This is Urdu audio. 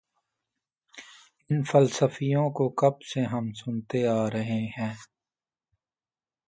ان فلسفیوں کو کب سے ہم سنتے آ رہے ہیں۔